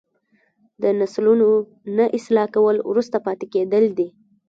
د نسلونو نه اصلاح کول وروسته پاتې کیدل دي.